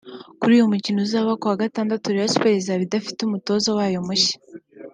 Kuri uyu mukino uzaba kuwa gatandatu Rayon Sport izaba idafite umutoza wayo mushya